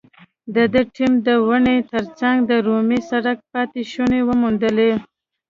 د ده ټیم د ونې تر څنګ د رومي سړک پاتې شونې وموندلې.